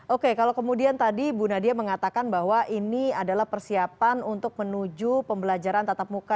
oke kalau kemudian tadi bu nadia mengatakan bahwa ini adalah persiapan untuk menuju pembelajaran tatap muka